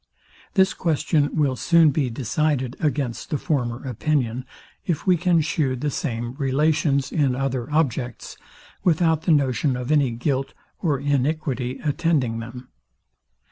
This question will soon be decided against the former opinion, if we can shew the same relations in other objects, without the notion of any guilt or iniquity attending them.